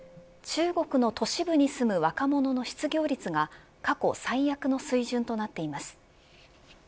中国の都市部に住む若者の失業率が過去最悪の水準となっています。